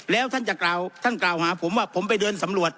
แล้วท่านจะกล่าวท่านกล่าวหาผมว่าผมไปเดินสำรวจ